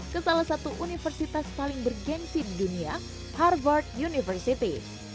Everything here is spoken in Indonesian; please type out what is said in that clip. ke salah satu universitas paling bergensi di dunia harvard university